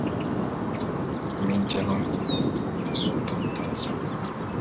Мен жаңы өкмөттүн курамына суктануудан алысмын.